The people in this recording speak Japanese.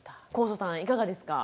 祖さんいかがですか？